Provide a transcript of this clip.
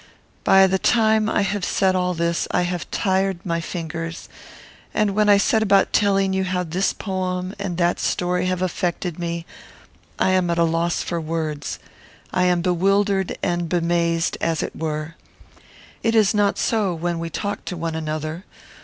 By the time I have said all this, I have tired my fingers, and when I set about telling you how this poem and that story have affected me, I am at a loss for words; I am bewildered and bemazed, as it were. It is not so when we talk to one another.